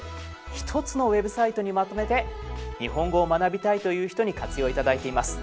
一つのウェブサイトにまとめて「日本語を学びたい」という人に活用いただいています。